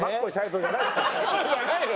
そうじゃないの？